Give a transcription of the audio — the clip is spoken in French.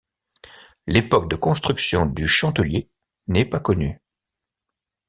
L'époque de construction du Chandelier n'est pas connue.